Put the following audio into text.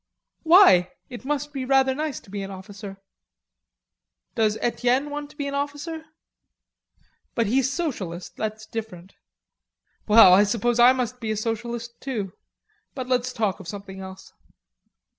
"Why? It must be rather nice to be an officer." "Does Etienne want to be an officer?" "But he's a socialist, that's different." "Well, I suppose I must be a socialist too, but let's talk of something else."